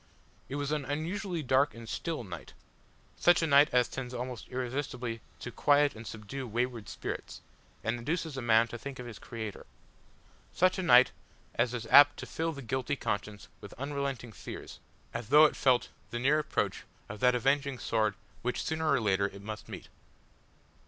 It was an unusually dark and still night; such a night as tends almost irresistibly to quiet and subdue wayward spirits, and induces man to think of his Creator. Such a night as is apt to fill the guilty conscience with unresting fears, as though it felt the near approach of that avenging sword which sooner or later it must meet.